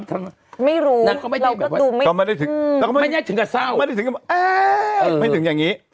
ไม่รู้แล้วก็ไม่ได้เราก็ดูไม่ได้ถึงไม่ได้ถึงกับเศร้าไม่ได้ถึงกับไม่ถึงอย่างงี้